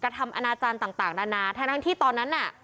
ทำอนาจารย์ต่างนานาทั้งที่ตอนนั้นน่ะ